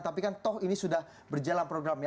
tapi kan toh ini sudah berjalan programnya